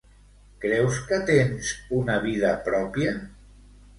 Creus que tens una vida pròpia?